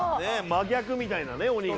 真逆みたいなね鬼が。